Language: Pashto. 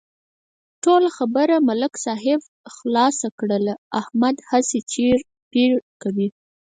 ټوله خبره ملک صاحب خلاصه کړله، احمد هسې چېړ پېړ کوي.